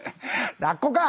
ラッコか！